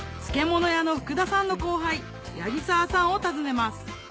漬物屋の福田さんの後輩八木澤さんを訪ねます